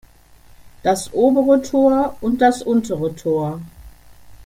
Das Obere Tor und das Untere Tor.